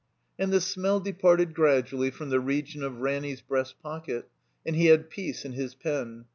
And the smdl departed gradually from the region of Ranny's breast pocket, and he had peace in his pen.